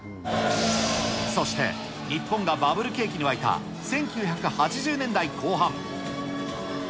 そして、日本がバブル景気に沸いた１９８０年代後半。